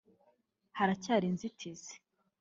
haracyari inzitizi